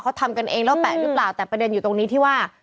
เขาทำกันเองแล้วแปะหรือเปล่าแต่ประเด็นอยู่ตรงนี้ที่ว่า